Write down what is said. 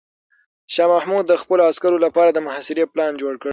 شاه محمود د خپلو عسکرو لپاره د محاصرې پلان جوړ کړ.